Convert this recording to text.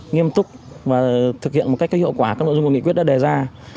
nghiêm túc và thực hiện một cách có hiệu quả các nội dung của nghị quyết đã đề ra